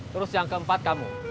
terus yang keempat kamu